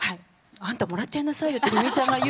「あんたもらっちゃいなさいよ」って冬美ちゃんが言うんで。